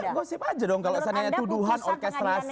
iya gosip aja dong kalau sananya tuduhan orkestrasi